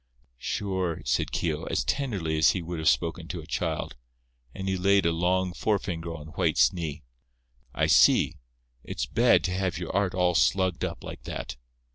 "Sure," said Keogh, as tenderly as he would have spoken to a child, and he laid a long forefinger on White's knee. "I see. It's bad to have your art all slugged up like that.